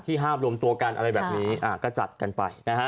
ห้ามรวมตัวกันอะไรแบบนี้ก็จัดกันไปนะฮะ